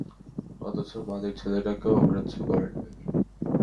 অথচ মালীর ছেলেটাকেও অগ্রাহ্য করেন নি।